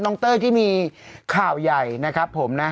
เต้ยที่มีข่าวใหญ่นะครับผมนะ